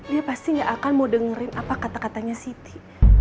dia pasti gak akan mau dengerin apa kata katanya siti